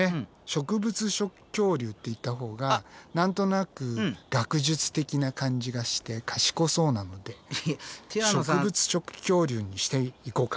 植物食恐竜って言ったほうが何となく学術的な感じがして賢そうなので植物食恐竜にしていこうか。